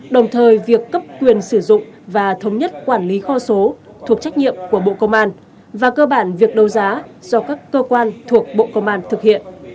đồng thời việc cấp quyền sử dụng và thống nhất quản lý kho số thuộc trách nhiệm của bộ công an và cơ bản việc đấu giá do các cơ quan thuộc bộ công an thực hiện